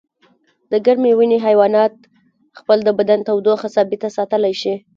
د ګرمې وینې حیوانات خپل د بدن تودوخه ثابته ساتلی شي